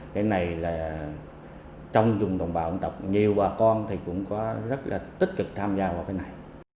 cái này là trong dùng đồng bào dân tộc nhiều bà con thì cũng có rất là tích cực tham gia vào cái này